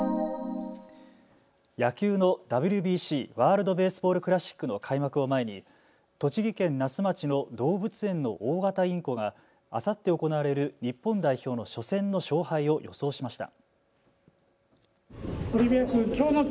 野球のＷＢＣ・ワールド・ベースボール・クラシックの開幕を前に栃木県那須町の動物園の大型インコがあさって行われる日本代表の初戦の勝敗を予想しました。